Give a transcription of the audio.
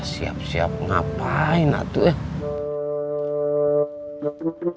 siap siap ngapain atuh ya